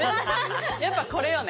やっぱこれよね。